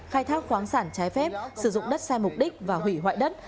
khai thác khoáng sản trái phép sử dụng đất sai mục đích và hủy hoại đất